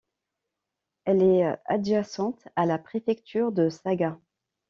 Elle est adjacente à la préfecture de Saga.